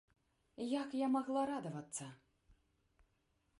Як я магла радавацца?